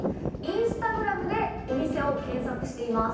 インスタグラムでお店を検索しています。